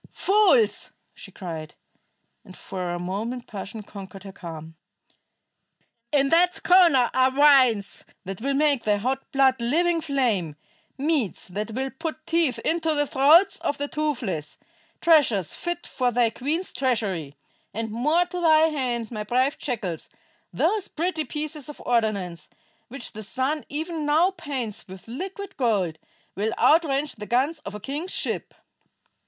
Fools!" she cried, and for a moment passion conquered her calm. "In that schooner are wines that will make thy hot blood living flame; meats that will put teeth into the throats of the toothless; treasures fit for thy queen's treasury. And more to thy hand, my brave jackals, those pretty pieces of ordnance, which the sun even now paints with liquid gold, will outrange the guns of a king's ship."